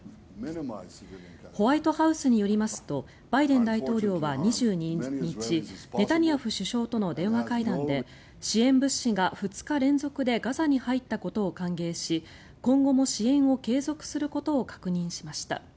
ホワイトハウスによりますとバイデン大統領は２２日ネタニヤフ首相との電話会談で支援物資が２日連続でガザに入ったことを歓迎し今後も支援を継続することを確認しました。